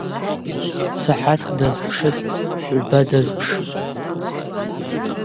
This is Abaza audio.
Сахӏаткӏ дазпшытӏ, гӏвба дазпшытӏ.